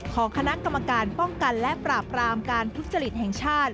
ของคณะกรรมการป้องกันและปราบรามการทุจริตแห่งชาติ